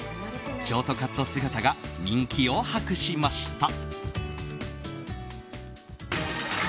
ショートカット姿が人気を博しました。